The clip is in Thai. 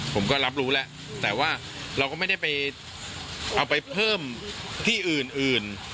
ผมก็รับรู้แล้วแต่ว่าเราก็ไม่ได้ไปเอาไปเพิ่มที่อื่น